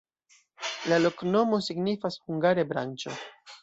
La loknomo signifas hungare: branĉo.